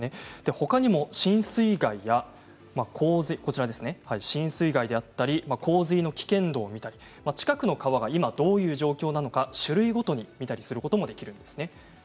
ほかにも浸水害や洪水の危険度を見たり近くの川が今どういう状況なのか種類ごとに見たりすることもできます。